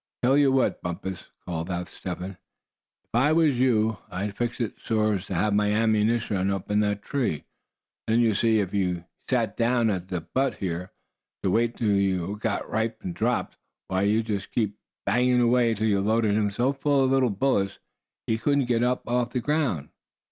"Tell you what, Bumpus," called out Step Hen, "if I was you I'd fix it so's to have my ammunition up in that tree. Then, you see, if he sat down at the butt here, to wait till you got ripe and dropped, why, you could just keep banging away till you loaded him so full of little bullets he couldn't get up off the ground.